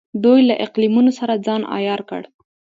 دوی له اقلیمونو سره ځان عیار کړ.